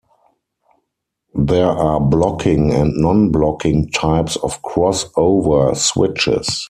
There are blocking and non-blocking types of cross-over switches.